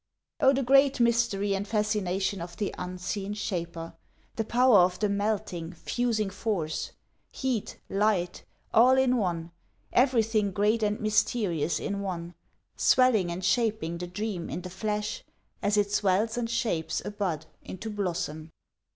Oh the great mystery and fascination of the unseen Shaper, The power of the melting, fusing Force heat, light, all in one, Everything great and mysterious in one, swelling and shaping the dream in the flesh, As it swells and shapes a bud into blossom.